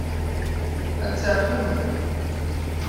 Ad tt-saɛfen?